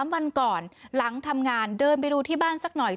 วันก่อนหลังทำงานเดินไปดูที่บ้านสักหน่อย